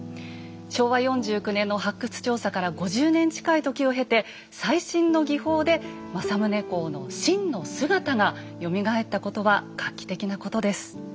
昭和４９年の発掘調査から５０年近い時を経て最新の技法で政宗公の真の姿がよみがえったことは画期的なことです。